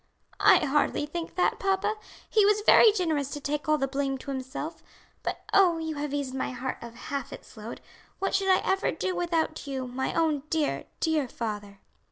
"I hardly think that, papa; he was very generous to take all the blame to himself; but oh, you have eased my heart of half its load. What should I ever do without you, my own dear, dear father!"